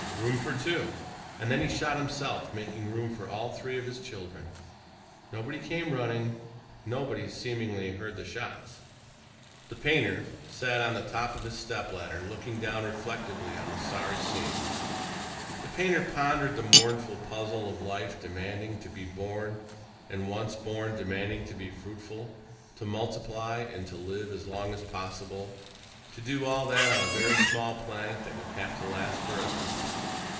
Room for two." And then he shot himself, making room for all three of his children. Nobody came running. Nobody, seemingly, heard the shots. The painter sat on the top of his stepladder, looking down reflectively on the sorry scene. The painter pondered the mournful puzzle of life demanding to be born and, once born, demanding to be fruitful ... to multiply and to live as long as possible to do all that on a very small planet that would have to last forever.